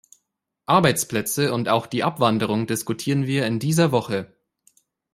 Arbeitsplätze und auch die Abwanderung diskutieren wir in dieser Woche.